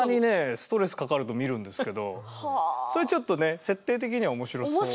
ストレスかかると見るんですけどそれちょっとね面白い。